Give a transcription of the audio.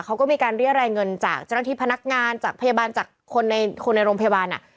เขาก็มีการเรียกรายเงินจากเจ้าหน้าที่พนักงานจากพยาบาลจากคนในคนในโรงพยาบาลอ่ะ